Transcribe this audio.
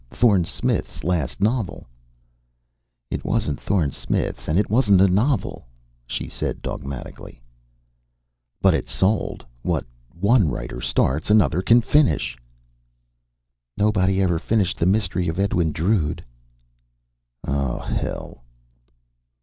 Thorne Smith's last novel " "It wasn't Thorne Smith's and it wasn't a novel," she said dogmatically. "But it sold. What one writer starts, another can finish." "Nobody ever finished The Mystery of Edwin Drood." "Oh, hell."